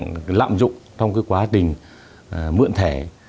tình trạng lạm dụng trong quá trình mượn thẻ